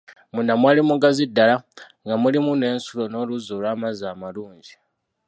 Munda mwali mugazi ddala, nga mulimu n'ensulo n'oluzzi olw'amazzi amalungi.